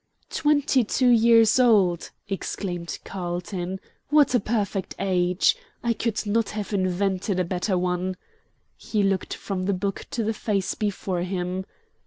"Twenty two years old," exclaimed Carlton. "What a perfect age! I could not have invented a better one." He looked from the book to the face before him.